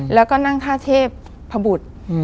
แล้วก็นั่งท่าเทพพบุตร